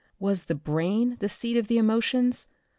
Was the brain the seat of the emotions?